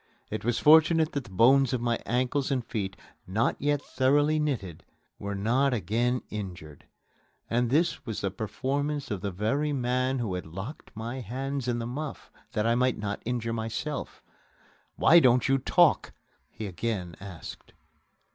It was fortunate that the bones of my ankles and feet, not yet thoroughly knitted, were not again injured. And this was the performance of the very man who had locked my hands in the muff, that I might not injure myself! "Why don't you talk?" he again asked.